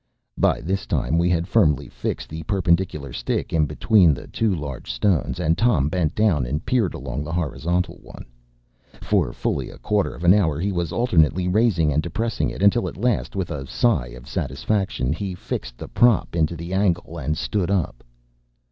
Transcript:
” By this time we had firmly fixed the perpendicular stick in between the two large stones; and Tom bent down and peered along the horizontal one. For fully a quarter of an hour he was alternately raising and depressing it, until at last, with a sigh of satisfaction, he fixed the prop into the angle, and stood up.